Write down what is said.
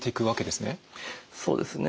そうですね。